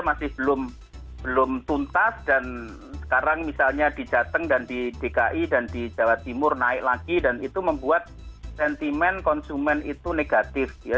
masih belum tuntas dan sekarang misalnya di jateng dan di dki dan di jawa timur naik lagi dan itu membuat sentimen konsumen itu negatif ya